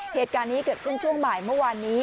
เหตุการณ์นี้เกิดขึ้นช่วงบ่ายเมื่อวานนี้